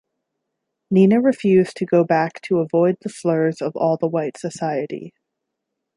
Nina refused to go back to avoid the slurs of all the white society.